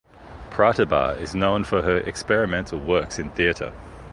Pratibha is known for her experimental works in theatre.